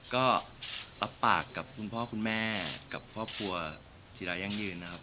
ก็รับปากกับคุณพ่อคุณแม่กับครอบครัวจิรายั่งยืนนะครับ